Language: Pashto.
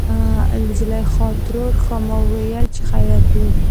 زليخا ترور :ښا ما ويل چې خېرت وي.